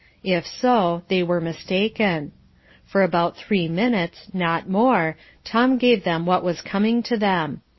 If so, they were mistaken. For about three minutes, not more, Tom gave them what was coming to them.